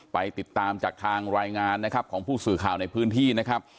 ไปติดตามจากทางรายงานนะครับของผู้สื่อข่าวในพื้นที่นะครับ